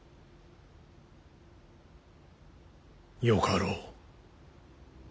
よかろう。